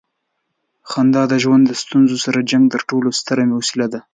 خندا د ژوند له ستونزو سره د جنګ تر ټولو ستره وسیله ده.